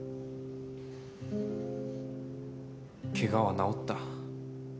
ケガは治った。